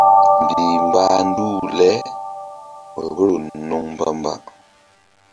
Mbih mbah nduh le vboro nuŋ mbamba.